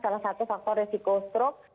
ini adalah satu faktor risiko stroke